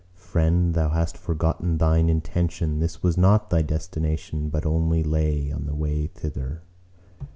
"Friend, thou hast forgotten thine intention! This was not thy destination, but only lay on the way thither."